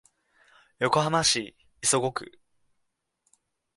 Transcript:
横浜市磯子区